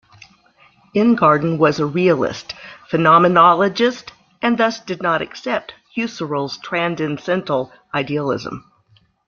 Ingarden was a realist phenomenologist, and thus did not accept Husserl's transcendental idealism.